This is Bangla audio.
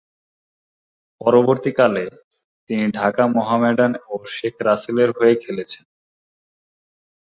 পরবর্তীকালে, তিনি ঢাকা মোহামেডান এবং শেখ রাসেলের হয়ে খেলেছেন।